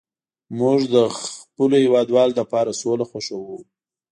موږ د خپلو هیوادوالو لپاره سوله خوښوو